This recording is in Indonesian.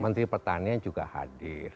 menteri pertanian juga hadir